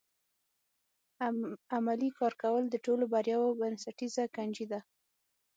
عملي کار کول د ټولو بریاوو بنسټیزه کنجي ده.